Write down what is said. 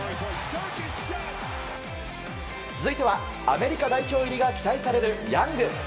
続いては、アメリカ代表入りが期待されるヤング。